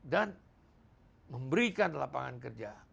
dan memberikan lapangan kerja